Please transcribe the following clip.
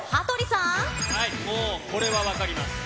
もうこれは分かります。